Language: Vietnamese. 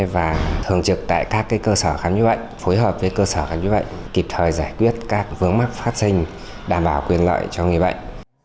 và thường trực tại các cơ sở khám chứa bệnh phối hợp với cơ sở khám chứa bệnh kịp thời giải quyết các vướng mắc phát sinh đảm bảo quyền lợi cho người bệnh